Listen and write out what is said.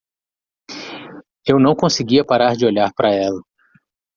Eu não conseguia parar de olhar para ela.